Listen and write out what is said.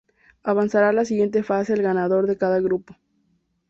Avanzará a la siguiente fase el ganador de cada grupo.